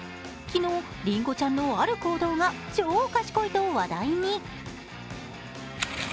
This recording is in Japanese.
昨日、りんごちゃんのある行動が超賢いと話題に。